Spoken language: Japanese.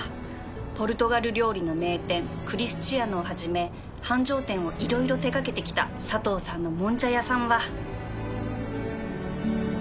ポルトガル料理の名店クリスチアノをはじめ繁盛店を色々手掛けてきた佐藤さんのもんじゃ屋さんは